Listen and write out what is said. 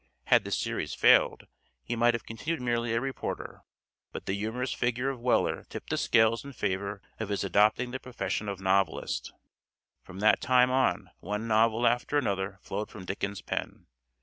Had the series failed, he might have continued merely a reporter, but the humorous figure of Weller tipped the scales in favor of his adopting the profession of novelist. From that time on one novel after another flowed from Dickens' pen.